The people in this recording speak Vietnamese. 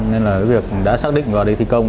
nên là cái việc đã xác định vào đây thi công